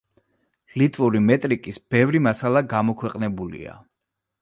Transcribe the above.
ლიტვური მეტრიკის ბევრი მასალა გამოქვეყნებულია.